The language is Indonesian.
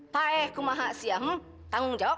pae ku maha sia tanggung jawab